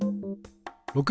６！